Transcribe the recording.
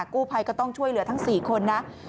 กู้ภัยก็ต้องช่วยเหลือทั้ง๔คนนะ